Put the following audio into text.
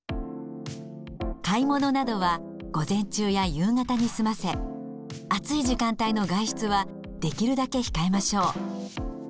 買い物などは午前中や夕方に済ませ暑い時間帯の外出はできるだけ控えましょう。